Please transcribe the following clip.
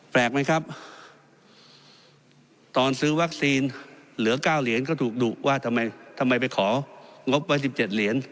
แปลกไหมครับตอนซื้อวัคซีนเหลือ๙เหรียญก็ถูกดุว่าทำไมทำไมไปของงบไว้๑๗เหรียญ